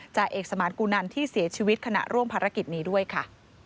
จ่าเอกสมานกุนันที่เสียชีวิตขณะร่วมภารกิจนี้ด้วยค่ะ